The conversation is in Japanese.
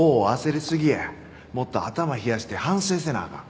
もっと頭冷やして反省せなあかん。